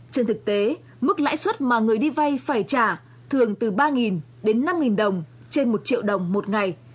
trên thực tế mức lãi suất mà người đi vay phải trả thường từ ba đến năm đồng trên một triệu đồng một ngày